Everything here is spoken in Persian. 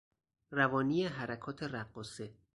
روانی حرکات رقاصه